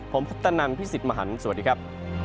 ผมพุทธนันพี่สิทธิ์มหันฯสวัสดีครับ